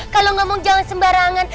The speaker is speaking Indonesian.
kalau ngomong jangan sembarangan